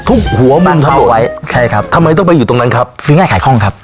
จานเดียวเจ๊งครับ